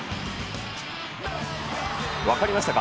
分かりましたか？